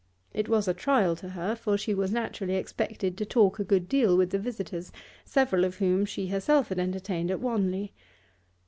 It was a trial to her, for she was naturally expected to talk a good deal with the visitors, several of whom she herself had entertained at Wanley.